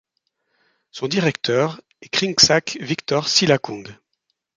Son directeur est Kriengsak Victor Silakong.